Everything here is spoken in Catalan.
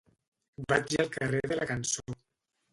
Vaig al carrer de la Cançó.